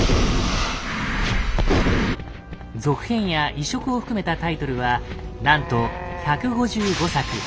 続編や移植を含めたタイトルはなんと１５５作。